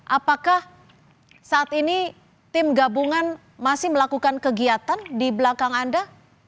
apakah saat ini tim gabungan masih melakukan kegiatan di belakang anda